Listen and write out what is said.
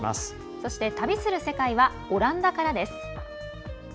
そして、「旅する世界」はオランダからです。